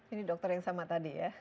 ini dokter yang sama tadi ya